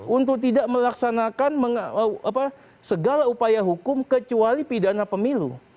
untuk tidak melaksanakan segala upaya hukum kecuali pidana pemilu